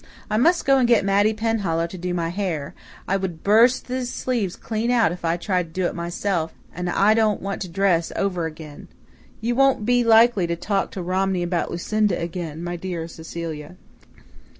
I must go and get Mattie Penhallow to do my hair. I would burst these sleeves clean out if I tried to do it myself and I don't want to dress over again. You won't be likely to talk to Romney about Lucinda again, my dear Cecilia?"